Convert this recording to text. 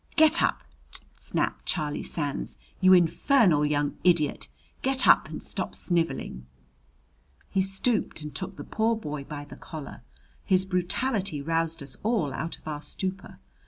"Get up!" snapped Charlie Sands. "You infernal young idiot! Get up and stop sniveling!" He stooped and took the poor boy by the collar. His brutality roused us all out of our stupor.